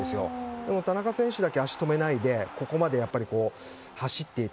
でも田中選手だけ足を止めないでここまで走っていた。